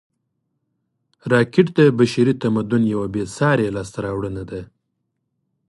راکټ د بشري تمدن یوه بېساري لاسته راوړنه ده